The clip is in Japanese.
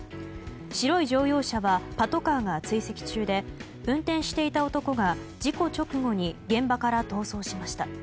白い乗用車はパトカーが追跡中で運転していた男が、事故直後に現場から逃走しました。